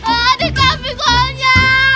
aduh kambing soalnya